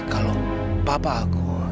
kalau papa aku